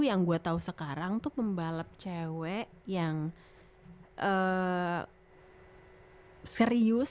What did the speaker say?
yang gue tahu sekarang tuh pembalap cewek yang serius